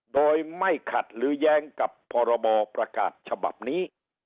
โดยไม่ขัดหรือแย้งกับพรบประกาศฉบับนี้